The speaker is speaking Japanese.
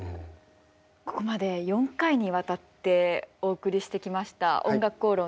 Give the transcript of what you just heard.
ここまで４回にわたってお送りしてきました「おんがくこうろん」